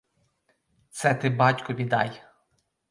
Це ти батькові дай.